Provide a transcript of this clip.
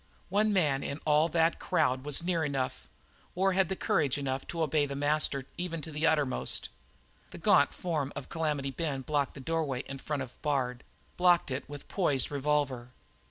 One man in all that crowd was near enough or had the courage to obey the master even to the uttermost. The gaunt form of Calamity Ben blocked the doorway in front of Bard, blocked it with poised revolver.